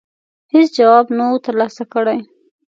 هېڅ جواب نه وو ترلاسه کړی.